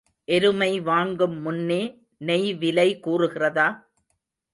எருமை வாங்கும் முன்னே நெய் விலை கூறுகிறதா?